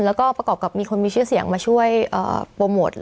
แล้วก็ประกอบกับมีคนมีชื่อเสียงมาช่วยโปรโมท